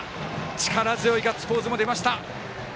力強いガッツポーズも出ました。